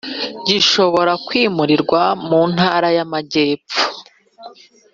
Gishobora kwimurirwa mu ntara y’amajyepho